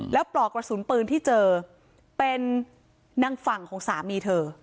แล้วปลอกกระสุนปืนที่เจอเป็นนางฝั่งของสามีเธอ